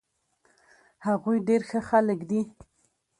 هغوي ډير ښه خلک دي